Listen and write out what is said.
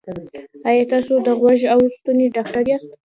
ایا تاسو د غوږ او ستوني ډاکټر یاست؟